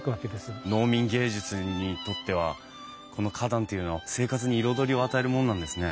農民藝術にとってはこの花壇っていうのは生活に彩りを与えるもんなんですね。